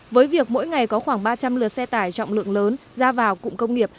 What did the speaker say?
với việc mỗi ngày có khoảng ba trăm linh lượt xe tải trọng lượng lớn ra vào cụm công nghiệp